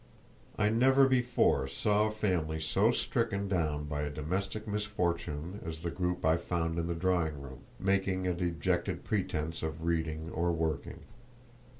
I never before saw a family so stricken down by a domestic misfortune as the group I found in the drawing room, making a dejected pretence of reading or working.